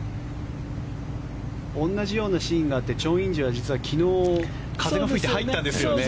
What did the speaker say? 同じようなシーンがあってチョン・インジは実は昨日、風が吹いて入ったんですよね。